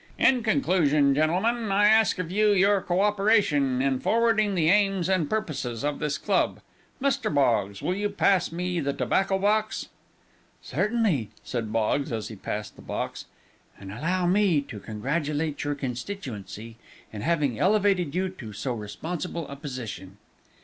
In conclusion, gentlemen, I ask of you your coöperation in forwarding the aims and purposes of this club. Mr. Boggs, will you pass me the tobacco box?" "Certainly," said Boggs, as he passed the box, "and allow me to congratulate your constituency in having elevated you to so responsible a position."